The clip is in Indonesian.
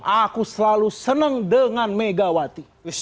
aku selalu senang dengan megawati